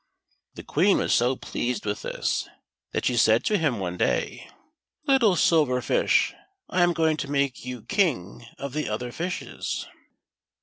The rilE SILVER FISIf. 29 Oucen was so pleased with this, that she said to iiini one day :" Little Silver Fish, I am going to make you King of the other fishes."